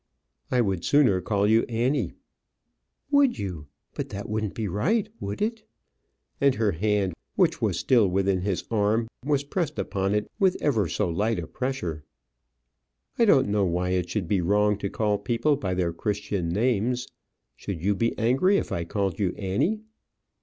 "I would sooner call you Annie." "Would you? But that wouldn't be right, would it?" And her hand, which was still within his arm, was pressed upon it with ever so light a pressure. "I don't know why it should be wrong to call people by their Christian names. Should you be angry if I called you Annie?"